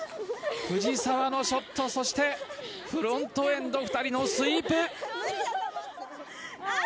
藤澤のショットそして、フロントエンド２人のスイープ。